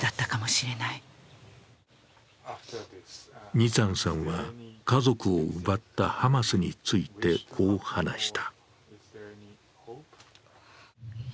ニツァンさんは家族を奪ったハマスについてこう話した。